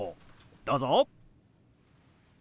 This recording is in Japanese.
どうぞ。